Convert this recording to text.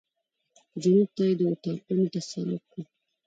جنوب ته یې د اطاقونو ته سړک و.